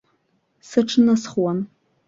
Сыҽнысхуан.